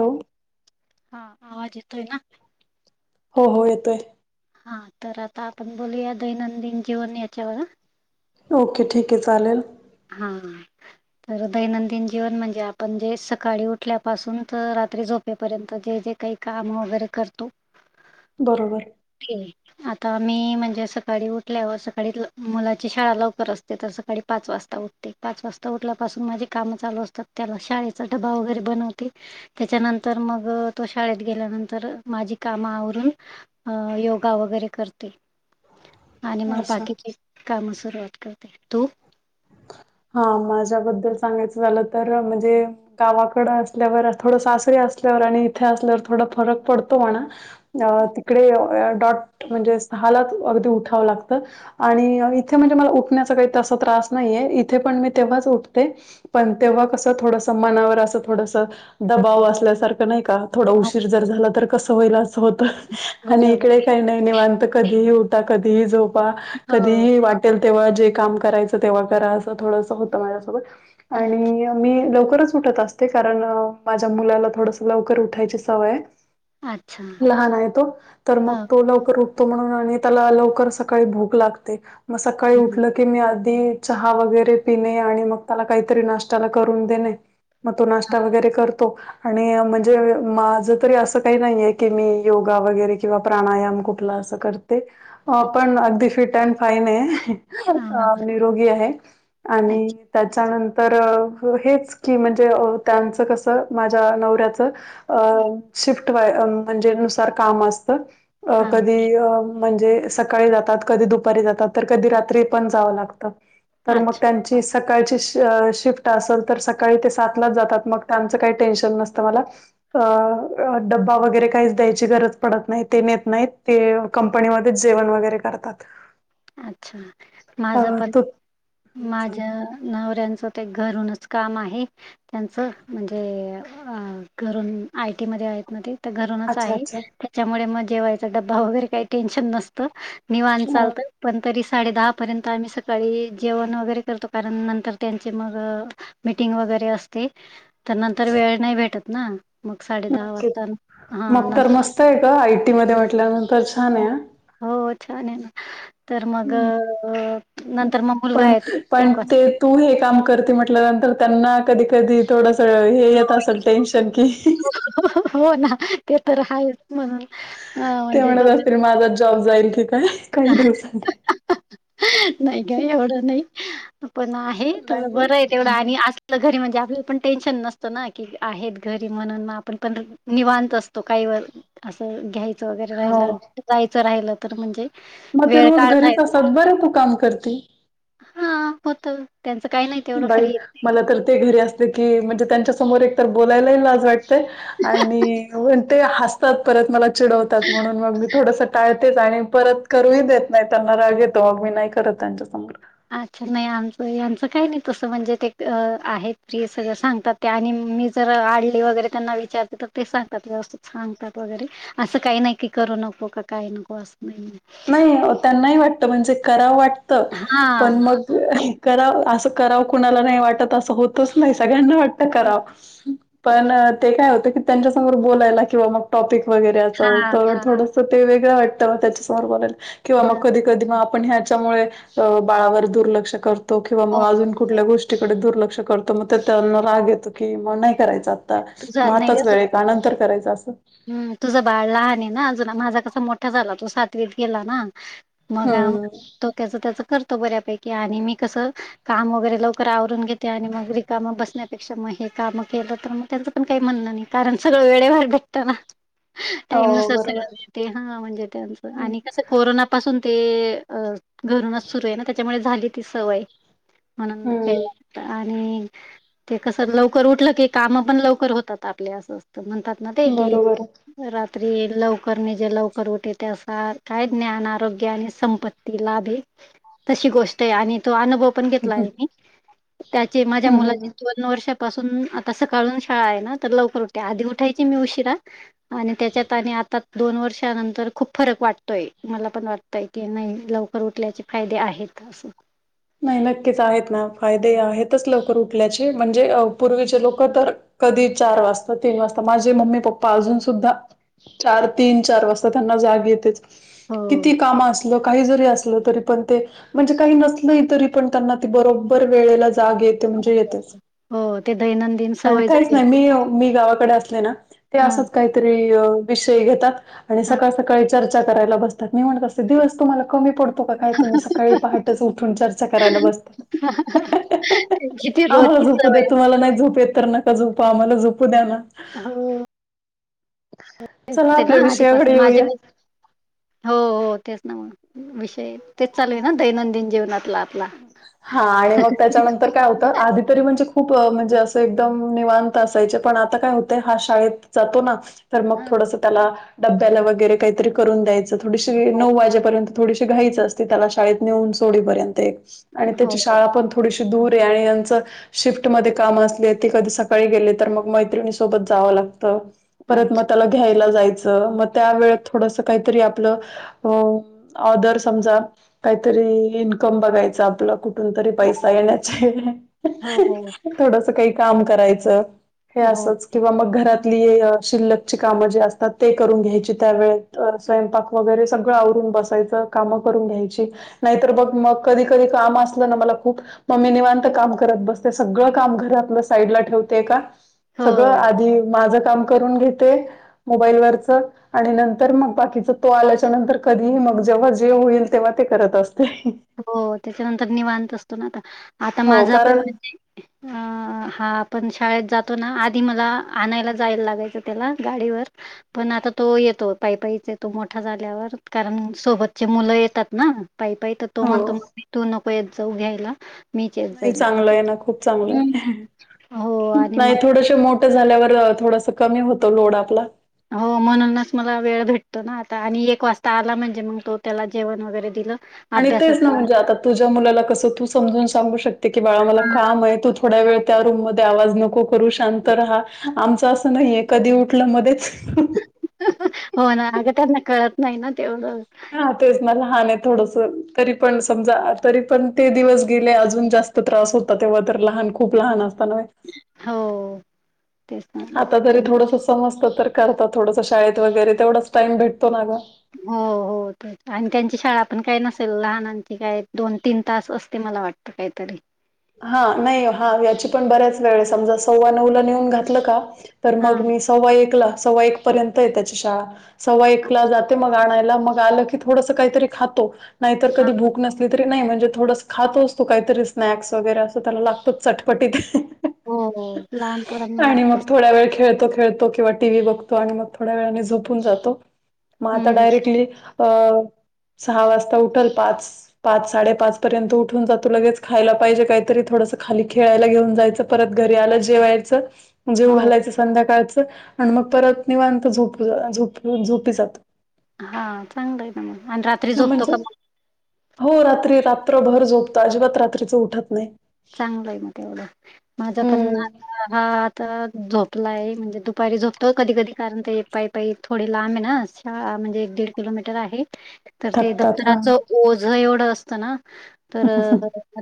Hello, हा आवाज येतोय ना? हो हो, येतोय! हा तर, आता आपण बोलूया दैनंदिन जीवन याच्यावर हा. ओके ठीक आहे चालेल. हा. तर दैनंदिन जीवन म्हणजे, आपण जे सकाळी उठल्यापासून तर रात्री झोप [unintelligible] पर्यंत जे जे काही काम वगैरे करतो. बरोबर! हे आता मी म्हणजे, सकाळी उठल्यावर सकाळी मुलाची शाळा लवकर असते तर सकाळी पाच वाजत उठते, पाच वाजता उठल्या पाासून माझे काम चालू असतात, त्याला शाळेचा डबा वगैरे बनवते. त्याच्यानंतर मग, तो शाळेत गेल्यानंतर माझी काम आवरून अ, योगा वगैरे करते. आणि मग असं बाकीची काम सुरवात करते. तू? हा माझ्याबद्दल सांगायचं झालं, तर म्हणजे गावाकड असल्यावर थोडं, सासरी असल्यावर आणि इथे असल्यावर थोडा फरक पडतो म्हणा. अ तिकडे आ, डॉट म्हणजे हालात अगदी उठावं लागतं आणि इथे म्हणजे मला उठण्याचं काही तस त्रास नाहीये इथे पण मी तेव्हाच उठते. पण तेव्हा कसं, थोडस मनावर असं थोडस दबाव असल्यासारखं नाही का? थोडा हो उशीर जर झाला तर, कसं होईल असं होत आणि बरोबर इकडे काही नाही निवांत कधीही कधीही झोपा, हो कधीही वाटेल तेव्हा जे काम करायचं तेव्हा करा, असं थोड होत माझ्यासोबत. अ आणि मी लवकरच उठत असते, कारण माझ्या मुलाला थोडसं लवकर उठायची सवय आहे. अच्छा लहान आहे तो, तर हा मग तो लवकर उठ म्हणून, त्याला लवकर सकाळी भूक लागते, मग सकाळी हम्म उठल की मी ते, चहा वगैरे पिणे आणि मग त्याला काहीतरी नाश्त्याला करून देणे! मग तो नाश्ता वगैरे कर तो आणि म्हणजे माझं तरी अस काही नाहीये की मी योगा वगैरे किंवा प्राणायाम कुठला असं करते. अच्छा पण अगदी फिट अँड फाईन आहे, हां. अं निरोगी आहे. आणि अच्छा त्याच्यानंत तर हेच की म्हणजे अ त्यांचं कसं माझ्या नवऱ्याचं अ शिफ्ट वाय म्हणजे नुसार काम असतं अ हा कधी? अ म्हणजे सकाळी जातात, कधी दुपारी जातात, तर कधी रात्री पण जावं लागत तर मग अच्छा त्यां ती सकाळची शिफ अ शिफ्ट असेल तर सकाळी ते सातलाच जातात मग त्यांचं काही टेन्शन नसतं मला. अ डब्बा वगैरे काहीच द्यायची गरज पडत नाही ते नेत नाहीत ते कंपनीमध्येच जेवण वगैरे करतात. अच्छा! अ माझ पण तू सांग माझ्या नवऱ्यांच. ते घरूनच काम आहे. त्यांचं म्हणजे? खरं आयटी मध्ये आहेत ना ते. तर घरूनच अच्छा आहे. अच्छा. त्याच्यामुळे मग जेवायचा डबा वगैरे काही टेन्शन नसतं. निवान अ चालतं. पण तरी साडे दहापर्यंत आम्ही सकाळी जेवण वगैरे करतो. कारण नंतर त्यांचे मग, मिटिंग वगैरे असते. तर नंतर वेळ नाही भेटत, ना मग साडे दहा वाजता हा नंत तो आहे का? आयटी मध्ये म्हटल्यानंतर छान आहे. हो छान आहे ना तर मग हां. नंतर म मुलगा पण येतो तो पण एक वाजता ते तू हे काम करते. म्हटल्यानंतर त्यांना कधी? कधी? थोडंसं हे येत असेल टेन्शन की, हो.. ना. ते तर आहेच म्हणून अ ते म्हणजे म्हणत दो असतील माझा जॉब जाईल की काय? काही दिवसांनी. नाही काय एवढं नाही? पण आहे थोडं नाही बरं आहे तेवढं आणि अस आपलं घरी म्हणजे? आपल्याला पण टेन्शन नसत ना की, आहेत घरी म्हणून मग आपण पण निवांत असतो. काही व असं घ्यायचं वगैरे हो राहिलं जायचं राहिलं तर म्हणजे म ते वेळ रोज काढता घरीच येत असात बरं तू काम करते. हा.. होतं. बाई मला तर ते घरी असते की म्हणजे त्यांच्या समोर एकतर बोलायलाही लाज वाटते आणि म ते हसतात परत मला चिडवतात म्हणून मग मी थोडसा टाळ आणि परत करूही देत नाही. त्यांना राग येतो, मग मी नाही करत त्यांच्या समोर. अच्छा नाही आमचं यांचं काही नाही तसं म्हणजे ते अ आहेत प्रिय सगळं सांगतात. ते आणि मी जर आडली वगैरे त्यांना विचारते तर ते सांगतात व्यवस्थित सांगतात वगैरे असं काही नाही की, करू नको का? काही नको असं नाही. नाही त्यांना ही वाटतं म्हणजे करावं वाटत पण हां. मग कराव असं करावं कुणाला नाही वाटत असं होतच नाही सगळ्यांना वाट करा पण ते काय होत? की त्यांच्या समोर बोलायला किंवा मग टॉपिक वगैरे. हां, तेवढं थोडंसं ते वेगळं वाटत, त्याच्या समोर बोलायला किंवा मग हां. कधी? कधी मग आपण ह्याच्यामुळे, बाळावर दुर्लक्ष करतो किंवा मग हो, अजून कुठल्या गोष्टी. तिकडे दुर्लक्ष करतो. मग त्यांना राग येतो की, मग नाही करायच आता तुझा मग आताच वेळ आहे. त्यानंतर करायचं असं. हमं तुझं बाळ लहान आहे ना अजुून, माझा कसा मोठा झाला, तो सातवीत गेला ना. मग आ हम्म, तो त्याच त्याच करतो बऱ्यापैकी आणि मी कसं काम वगैरे लवकर आवरून घेते आणि मग रिकामं बसण्यापेक्षा म हे कामं केलं तर मग त्यांच पण काही म्हणणं नाही कारण सगळं वेळे वारडे तर हां हं हं हो टाईम नुसार सगळया बरोबर. गोष्टी. हा म्हणजे त्यांचं आणि कसं? कोरोना पासून ते घरूनच सुरू आहे ना. त्याच्यामुळे झाली ती सवय. म्हणून नाही हम्म, ठेवत आणि ते कसं लवकर उठलं की काम पण लवकर होतात आपले असं असतात म्हणतात ना ते कि बरोबर. रात्री लवकर निजे लवकर उठे ते असं काय? ज्ञान, आरोग्य, आणि संपत्ती. तिला लाभ आहे, तशी गोष्ट आहे आणि तो अनुभव. पण घेतला आहे मी त्याच्या माझ्या मुलाची. हम्म [inaudible] दोन वर्षापासून आता सकाळून शाळा आहे ना तर लवकर उठते आधी उठायची मी उशिरा आणि त्याच्यात आणि आता दोन वर्षानंतर खूप फरक वाटतोय मला पण वाटतंय की नाही लवकर उठल्याचे फायदे आहेत. खासं नाही नक्कीच आहेत ना फायदे आहेतच लवकर उठल्याचे म्हणजे पूर्वीचे अ लोकं तर कधी चार वाजता तीन वाजता माझे मम्मी पप्पा अजून सुद्धा चार तीन चार वाजता त्यांना जाग येतेच. हो किती पण कामं असलो काही जरी असलो तरी पण ते म्हणजे काही नस नाही तरी पण त्यांना ती बरोबर वेळेला जाग येते म्हणजे येतेच. हो ते दैनंदिन आणि सवय काहीच झाली नाही मी मी गावाकडे अस सले ना हा काहीतरी विषय घेतात आणि हा सकाळ-सकाळी चर्चा करायला बसतात मी म्हणत असते दिवस तुम्हाला कमी पडतो काय तुम्ही सकाळी पहाटेचं उठून चर्चा करायला बसते. किती आम्हाला रोजची झोपू द्या सवय तुम्हाला नाही झोप येत तर नका झोपू आम्हाला झोपू द्या ना. [unintelligible] चला ते ना आपल्या आधीपासून विषयाकडे माझे येऊयात. पण हो हो तेच ना मग विषय तेच चालू आहे ना दैनंदिन जीवनातला आपला. हा आणि मग त्याच्यानं तर काय होतं आधी तरी म्हणजे खूप म्हणजे असं एकदम निवांत असायचे पण आता काय होते हा शाळेत जातो ना. तर मग हा, थोडसं त्याला डब्याला वगैरे काहीतरी करून द्यायचं थोडीशी हो नऊ वाजेपर्यंत थोडीशी घाईच असते त्याला शाळेत नेऊन सोडीपर्यंत आणि त्याची हो शाळा पण थोडीशी दूर आहे आणि यांचं शिफ्टमध्ये कामं असले ते कधी सकाळी गेले तर मग मैत्रिणी सोबत जावं लागतं. परत म अच्छा त्याला घ्यायला जायचं मग त्या वेळेत थोडसा काहीतरी आपलं ऑदर समजा काहीतरी इन्कम बघायचा आपला कुठून तरी पैसा येण्याचे हो हो थोडसा काही काम करायचं हे हो असंच किंवा मग घरातली अ शिल्लकची कामं जे असतात ते करून घ्यायची त्यावेळेत स्वयंपाक वगैरे सगळं आवरून बसायचं कामं करून घ्यायची नाहीतर बघ मग कधी-कधी काम असलं ना मला खूप म मी निवांत काम करत बसते सगळं काम घरातलं साईडला ठेवते एका हो सगळं आधी माझं काम करून घेते मोबाईल वरचं आणि नंतर मग बाकीचा तो आल्याच्या नंतर कधीही मग जेव्हा जे होईल तेव्हा ते करत असते. हो त्याच्यानंतर निवांत असतो ना आता आता हो माझा पण कारण म्हणजे हा आपण शाळेत जातो ना आधी मला आणायला जायला लागायचं त्याला गाडीवर. पण आता तो येतो पायपायीचे तो मोठा झाल्यावर कारण सोबतची मुलं येतात ना. पाय पाय तर तो हो म्हणतो मम्मी तू नको येत जाऊ घ्यायला मीच येत नाही जाईल." चांगलं आहे ना खूप चांगलं हं. आहे हो आणि नाही मग थोडशे मो ठ झाल्यावर अ थोडसा कमी होतो लोड आपला. हो म्हणूनच मला वेळ भेटतो ना आता आणि एक वाजता आला म्हणजे मग तो त्याला जेवण वगैरे दिलं आणि तेच ना अभ्यासाचं म्हणजे आता तुझ्या मुलाला कसं तू समजून सांगू शकते की बाळा मला काम आहे तु थोड्या वेळ त्या रूम मध्ये आवाज नको करू शांत राहा. आमचं असं नाही आहे कधी उठलं मध्येच हो ना अगं त्यांना कळत नाही ना तेवढं. हा तेच ना लहान आहे थोडसा तरी पण समजा तरी पण ते दिवस गेले अजून जास् तो प्रवास होता तेव्हा तर लहान खूप लहान असताना. हो. तेच ना. आता तरी त्यां थोडंस समजतं तर करतात थोडसा शाळेत वगैरे तेवढाच टाइम भेटतो ना गं. हो हो आणि त्यांची शाळा पण काय नसेल लहानांची काय दोन-तीन तास असते मला वाट कायतरी. हा.. नाही हा.. याची पण बऱ्याच वेळेस समजा सव्वा नऊला नेऊन घातलं का? तर हा मग मी सव्वा एकला सव्वा एक पर्यंत आहे त्याची शाळा सव्वा हा एकला जाते मग आणायला, मग आलं की थोडसं काहीतरी खातो. नाहीतर कधी भूक नस [unintelligible] नाही म्हणजे थोडंसं खातोच तो काहीतरी स्नॅक्स वगैरे असं त्याला लागतंच चटपटीत. हं हो हो लहान हंं पोरांना आणि मग लागतोच थोड्या वेळ खेळतो.. खेळतो.. किंवा टी व्ही बघतो आणि मग थोड्या वेळाने झोपून जातो. मग आता हम्म डायरेक्टली अ सहा वाजता उठलं पाच पाच साडे पाचपर्यंत उठून जातो, लगेच खायला पाहिजे. काहीतरी थोडंसं खाली खेळायला घेऊन जायचं. परत घरी आल्यावर जेवायचं. जेवु हो घालायचं संध्याकाळचं आणि मग परत निवांत झोपूया, झोप, झोपी जातं. हा चांगलं आहे ना मग. आणि रात्री झोपतो म्हणजे का मग? हो रात्री रात्रभर झोपतो, अजिबात रात्रीच उठत नाही. चांगलं आहे मग तेवढं. माझा पण नाती हा आता झोपलाय म्हणजे दुपारी झोपतो कधी कधी, कारण ते पायी पायी थोडे लांब आहे ना शाळा म्हणजे एक दीड किलोमीटर आहे. तर ते थकतात हा दप्तराचं ओझं.. एवढं.. असतं ना, तर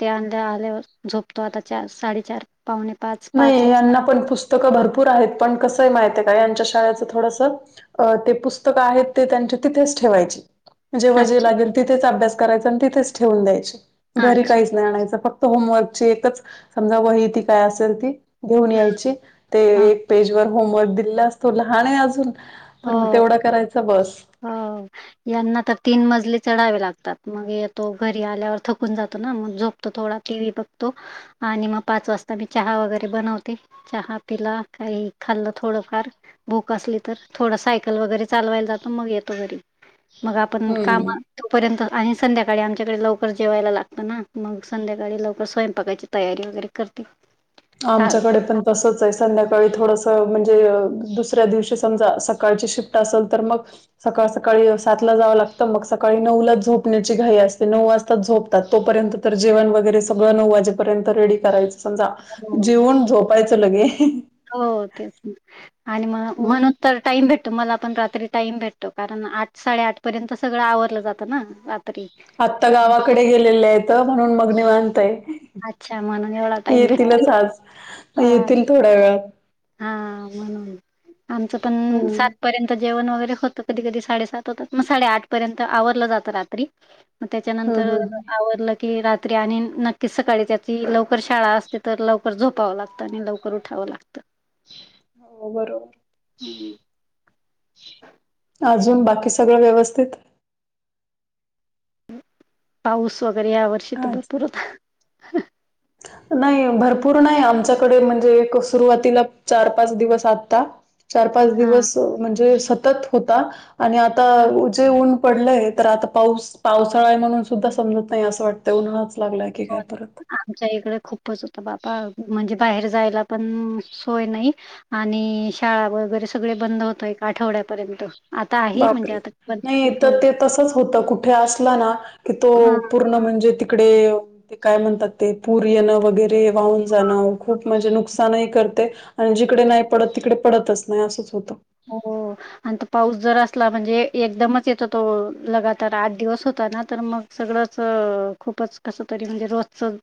ते आंदी आल्यावर. झोपतो आता चार साडेचार, पावणे पाच पाच वाजता. तो का भरपूर आहेत पण कसं आहे महित आहे का, यांच्या शाळेचं थोडंसं अ ते पुस्तकं आहेत ते त्यांचे तिथेच ठेवायचे. जेव्हा जे अच्छा लागेल तिथेच अभ्यास करायचा आणि तिथेच ठेवून द्यायचे. घरी अच्छा काही आणायचं फक्त होमवर्कची एकच समजा वही ती काय असेल ती. घेऊन यायची, ते हां. एक पेजवर होमवर्क दिलेला असतो. लहान आहे अजून. हो, तर मग तेवढं करायचं बसं. हो. यांना तर तीन मजले चढावे लागतात. मग येतो घरी आल्यावर थकून जातो, ना मग झोपतो. तो थोडा टीव्ही बघतो आणि मग पाच वाजता मी चहा वगैरे बनवते. चहा पिला, काही खाल्लं थोडंफार भूक असली तर. थोडं सायकल वगैरे चालवायला जातो. मग येतो घरी मग आपण हम्म. कामात. तोपर्यंत आणि संध्याकाळी आमच्याकडे लवकर जेवायला लागतं ना, मग संध्याकाळी लवकर स्वयंपाकायचे तयारी वगैरे करते. सा- आमच्याकडे पण तसंच आहे संध्याकाळी थोडंसं म्हणजे दुसऱ्या दिवशी समजा सकाळची शिफ्ट असेल, तर मग सकाळ सकाळी सातला जावं लागतं, मग सकाळी नऊला झोपण्याची घाई असते. नऊ वाजताच झोप तर तोपर्यंत तर जेवण वगैरे सगळं नऊ वाजेपर्यंत रेडी करायचं. समजा हो, जेवून झोपायचं लगे. हो तेच की आणि मग हं. म्हणून तर टाइम भेट तुम्हाला पण रात्री टाइम भेटतो, कारण आठ साडे आठपर्यंत सगळं आवरलं जातं ना रात्री. त्या गावाकडे गेलेलं आहेत म्हणून मग निवांत आहे. अच्छा म्हणून एवढा टाइम भेटतो येतीलच आज, हा येतील थोड्या वेळात. हा म्हणून. आमचं पण हं. सात पर्यंत जेवण वगैरे होत. कधी कधी साडेसात होतात, मग साडे आठ पर्यंत आवरलं जातं रात्री. मग हं, त्याच्यानंतर हं. आवरलं. की रात्री आणि नक्कीच सकाळी त्याची लवकर शाळा असते, तर लवकर झोपावं लागतं आणि लवकर उठावं लागतं. हो.. बरोबर. हं, अजून बाकी सगळं व्यवस्थित? पाऊस वगैरे या वर्षी तर अच्छा. भरपूर होता. नाही भरपूर नाही आमच्याकडे म्हणजे एक सुरुवातीला चार पाच दिवस आता चार, पाच दिवस हा म्हणजे सतत होता. आणि आता जे ऊन पडलंय तर आता पाऊस पावसाळा आहे म्हणून सुद्धा समजत नाही. असं वाटतं उन्हाळाच लागलाय की काय परत. आमच्या इकडे खूपच होत बाबा म्हणजे बाहेर जायला पण सोय नाही. आणि शाळा वगैरे सगळे बंद होत एक आठवड्यापर्यंत. आता आहे म्हणजे बापरे आता बंदच नाही आहे तर हो ते तसंच होतं कुठे असला ना, की तो हां पूर्ण म्हणजे तिकडे ते काय म्हणतात ते पूर येणं वगैरे वाहून जाणं, खूप म्हणजे नुकसानही करतंय. आणि जिकडे नाही पडत तिकडे पडतच नाही असंच होतं. हो. आणि तो पाऊस जर असला म्हणजे एकदमच येतो तो लगातार आठ दिवस होता ना, तर मग सगळंच खूपच कसं तरी म्हणजे रोजचं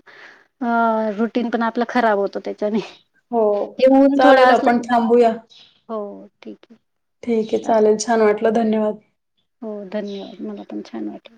हा रुटीन पण आपलं खराब होतं ते. चालेल. हो ते ऊन चालेल थोडं असलं आपण [unintelligible] थांबूया हो ठीक आहे. ठीक आहे चालेल, छान वाटलं धन्यवाद. हो धन्यवाद मला पण छान वाटलं.